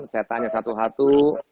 saya tanya satu satu